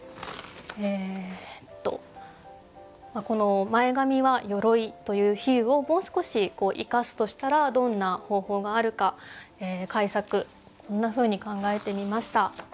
この「前髪」は「鎧」という比喩をもう少し生かすとしたらどんな方法があるか改作こんなふうに考えてみました。